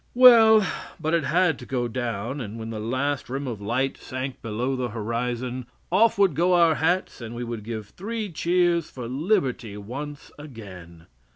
Well, but it had to go down, and when the last rim of light sank below the horizon, off would go our hats and we would give three cheers for liberty once again.